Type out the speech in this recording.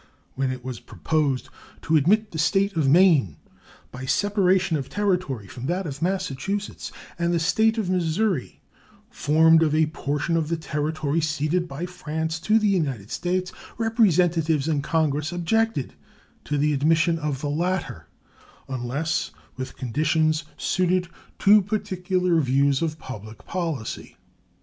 When it was proposed to admit the State of Maine, by separation of territory from that of Massachusetts, and the State of Missouri, formed of a portion of the territory ceded by France to the United States, representatives in Congress objected to the admission of the latter unless with conditions suited to particular views of public policy.